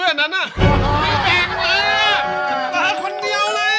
ไหนดูนี่